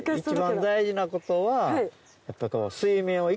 一番大事なことは。